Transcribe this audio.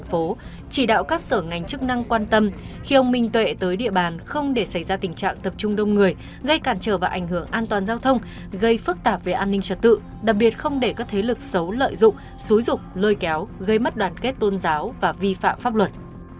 khi ông minh tuệ tới địa bàn không để xảy ra tình trạng tập trung đông người gây cản trở và ảnh hưởng an toàn giao thông gây phức tạp về an ninh trật tự đặc biệt không để các thế lực xấu lợi dụng xúi dụng lôi kéo gây mất đoàn kết tôn giáo và vi phạm pháp luật